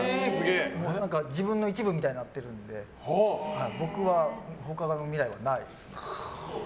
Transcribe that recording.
自分の一部みたくなってるので僕は他の未来はないですね。